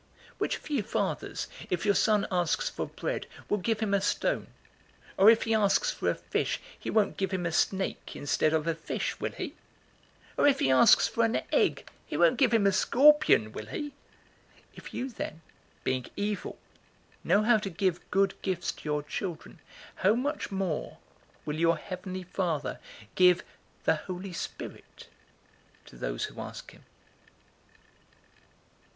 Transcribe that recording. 011:011 "Which of you fathers, if your son asks for bread, will give him a stone? Or if he asks for a fish, he won't give him a snake instead of a fish, will he? 011:012 Or if he asks for an egg, he won't give him a scorpion, will he? 011:013 If you then, being evil, know how to give good gifts to your children, how much more will your heavenly Father give the Holy Spirit to those who ask him?"